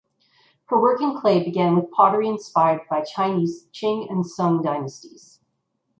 Her work in clay began with pottery inspired by Chinese Qing and Song dynasties.